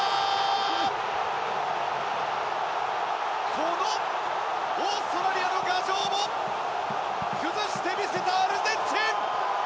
このオーストラリアの牙城も崩して見せたアルゼンチン。